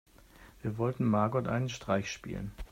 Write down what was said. Wir wollen Margot einen Streich spielen.